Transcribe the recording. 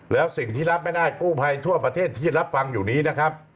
แล้วสิ่งที่รับไม่ได้กู้ภัยทั่วประเทศที่รับฟังอยู่นี้นะครับ